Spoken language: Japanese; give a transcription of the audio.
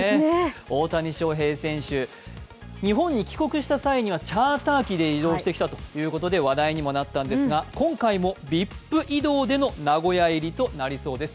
大谷翔平選手、日本に帰国した際にはチャーター機で移動してきたということで話題にもなったんですが、今回もＶＩＰ移動での名古屋入りとなりそうです。